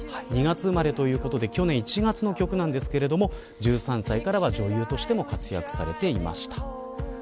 ２月生まれということで去年１月の曲なんですけど１３歳からは女優としても活躍されていました。